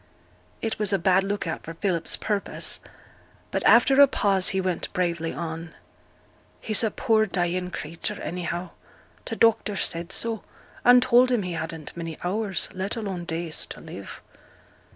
It was a bad look out for Philip's purpose; but after a pause he went bravely on. 'He's a poor dying creature, anyhow. T' doctor said so, and told him he hadn't many hours, let alone days, to live.'